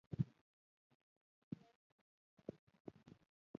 پریکړي باید سمي او عادلانه يي.